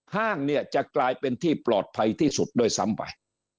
ห้างเนี่ยจะกลายเป็นที่ปลอดภัยที่สุดด้วยซ้ำไป